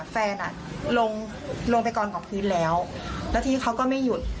แฟนอ่ะลงลงไปกองกับพื้นแล้วแล้วทีนี้เขาก็ไม่หยุด